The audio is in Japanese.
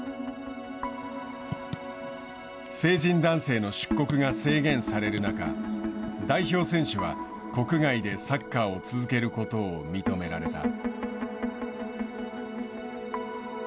成人男性の出国が制限される中代表選手は国外でサッカーを続けることを認められた。